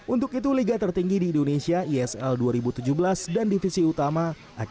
untuk itu liga tertinggi di indonesia isl dua ribu tujuh belas dan divisi utama